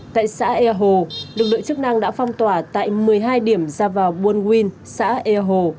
tại xã ea hồ lực lượng chức năng đã phong tỏa tại một mươi hai điểm ra vào buôn nguyên xã ea hồ